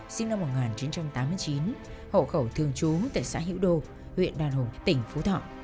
sinh năm một nghìn chín trăm tám mươi chín hộ khẩu thường trú tại xã hữu đô huyện đoàn hùng tỉnh phú thọ